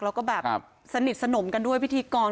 แล้วก็แบบสนิทสนมกันด้วยพิธีกร